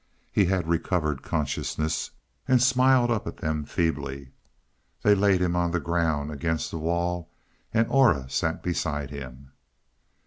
He had recovered consciousness, and smiled up at them feebly. They laid him on the ground against the wall, and Aura sat beside him.